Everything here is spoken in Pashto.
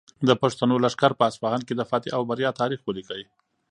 د پښتنو لښکر په اصفهان کې د فتحې او بریا تاریخ ولیکه.